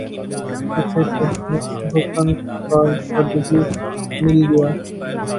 اسے تحفہِ حسنِ کارکردگی مل گیا